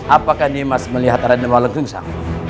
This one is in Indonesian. apakah nimas melihat raden walang susah